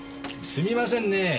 すみませんねぇ。